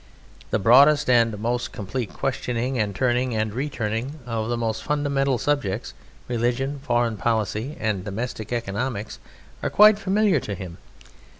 The broadest and the most complete questioning and turning and returning of the most fundamental subjects religion, foreign policy, and domestic economics are quite familiar to him.